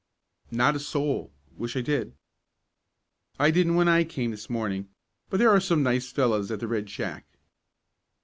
"Not a soul wish I did." "I didn't when I came this morning, but there are some nice fellows at the Red Shack."